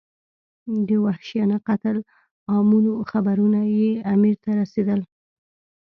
د وحشیانه قتل عامونو خبرونه یې امیر ته رسېدل.